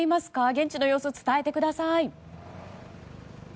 現地の様子伝えてください。